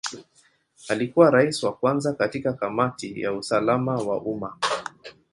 Alikuwa Rais wa kwanza katika Kamati ya usalama wa umma.